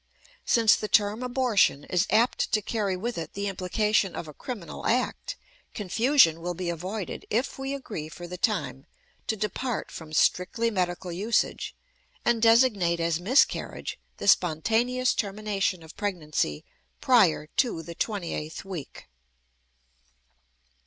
Since the term abortion is apt to carry with it the implication of a criminal act, confusion will be avoided if we agree for the time to depart from strictly medical usage and designate as miscarriage the spontaneous termination of pregnancy prior to the twenty eighth week.